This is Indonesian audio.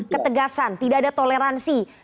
ketegasan tidak ada toleransi